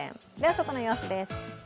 外の様子です。